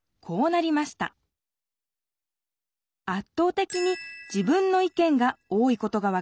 てきに自分の意見が多いことが分かりますね。